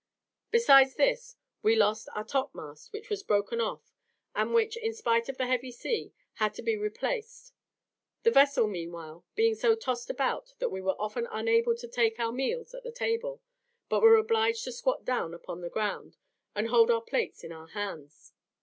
Besides this, we lost our top mast, which was broken off, and which, in spite of the heavy sea, had to be replaced; the vessel, meanwhile, being so tossed about, that we were often unable to take our meals at the table, but were obliged to squat down upon the ground, and hold our plates in our hands.